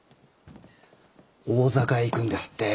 大坂へ行くんですって？